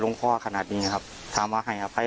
ส่วนของชีวาหาย